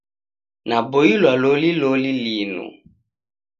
Naboilwa loli loli linu.